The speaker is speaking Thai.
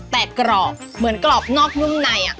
แต่กรอบเหมือนกรอบนอกนุ่มใน